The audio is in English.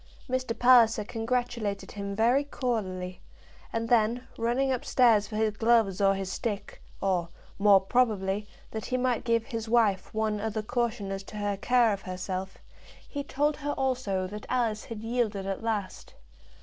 Mr. Palliser congratulated him very cordially, and then, running up stairs for his gloves or his stick, or, more probably, that he might give his wife one other caution as to her care of herself, he told her also that Alice had yielded at last.